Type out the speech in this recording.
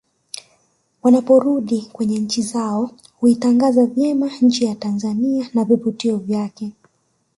Wanaporudi kwenye nchi zao huitangaza vyema nchi ya Tanzania na vivutio vyake